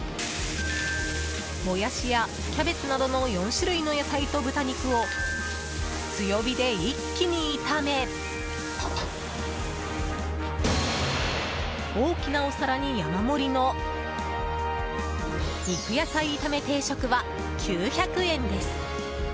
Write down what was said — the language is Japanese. モヤシやキャベツなどの４種類の野菜と豚肉を強火で一気に炒め大きなお皿に山盛りの肉野菜炒め定食は９００円です。